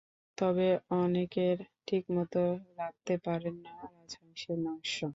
তবে অনেকেই ঠিকমতো রাঁধতে পারেন না রাজহাঁসের মাংস!